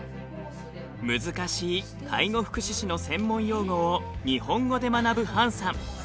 難しい介護福祉士の専門用語を日本語で学ぶハンさん。